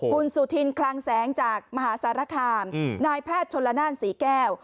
คุณสุธินคลังแสงจากมหาสารคามนายแพทย์ชนละนานศรีแก้ว